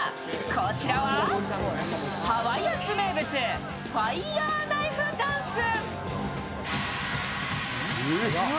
こちらはハワイアンズ名物、ファイヤーナイフダンス。